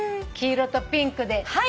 黄色とピンクで。